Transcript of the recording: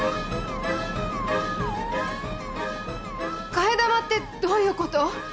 替え玉ってどういう事！？